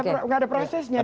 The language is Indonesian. nggak ada prosesnya dia